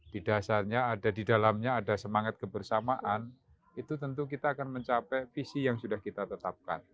di dasarnya ada di dalamnya ada semangat kebersamaan itu tentu kita akan mencapai visi yang sudah kita tetapkan